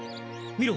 見ろ。